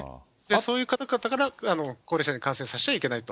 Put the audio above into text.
そういう方々から高齢者に感染させちゃいけないと。